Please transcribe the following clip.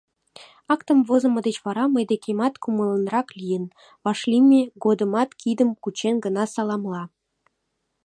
Актым возымо деч вара мый декемат кумыланрак лийын, вашлийме годымат кидым кучен гына саламла.